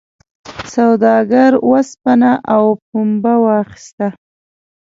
سوداګر اوسپنه او پنبه واخیسته.